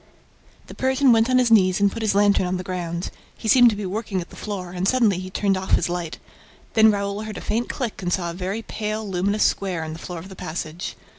The Persian went on his knees and put his lantern on the ground. He seemed to be working at the floor; and suddenly he turned off his light. Then Raoul heard a faint click and saw a very pale luminous square in the floor of the passage.